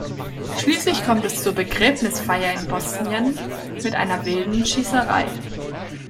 Schließlich kommt es zur Begräbnisfeier in Bosnien mit einer wilden Schießerei.